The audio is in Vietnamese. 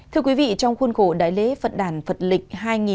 thưa quý vị trong khuôn khổ đại lễ phật đản phật lịch hai nghìn năm trăm sáu mươi tám